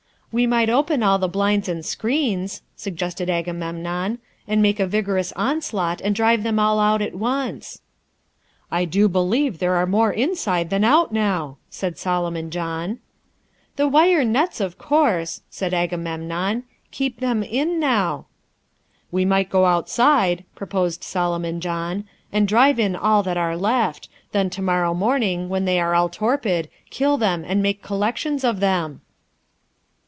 "We might open all the blinds and screens," suggested Agamemnon, "and make a vigorous onslaught and drive them all out at once." "I do believe there are more inside than out now," said Solomon John. "The wire nets, of course," said Agamemnon, "keep them in now." "We might go outside," proposed Solomon John, "and drive in all that are left. Then to morrow morning, when they are all torpid, kill them and make collections of them."